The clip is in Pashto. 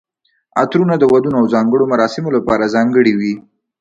عطرونه د ودونو او ځانګړو مراسمو لپاره ځانګړي وي.